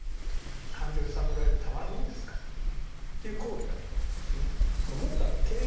感情を揺さぶられてたまるものですかという抗議だと思うわけですね。